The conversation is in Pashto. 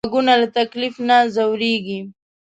غوږونه له تکلیف نه ځورېږي